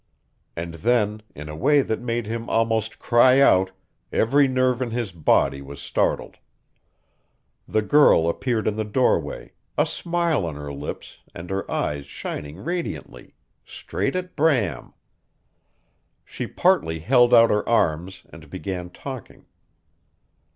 And then, in a way that made him almost cry out, every nerve in his body was startled. The girl appeared in the doorway, a smile on her lips and her eyes shining radiantly straight at Bram! She partly held out her arms, and began talking.